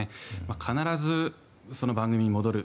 必ず番組に戻る。